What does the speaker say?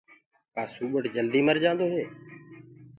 ڪآ سوپٽ جلدي مر جآندو هي؟